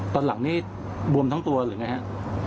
ตอนหลังนี้บวมทั้งตัวหรือไงฮะ